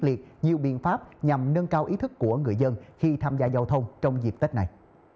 liệt nhiều biện pháp nhằm nâng cao ý thức của người dân khi tham gia giao thông trong dịp tết này